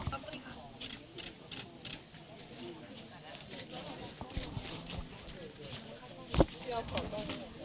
ขอพี่อ๊อฟถูกตาหน่อยได้ไหมคะ